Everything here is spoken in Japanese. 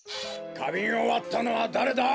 かびんをわったのはだれだ？